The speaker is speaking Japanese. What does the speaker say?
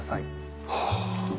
はあ。